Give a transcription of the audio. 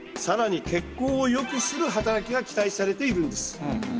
さらに血行を良くする働きが期待されているんです。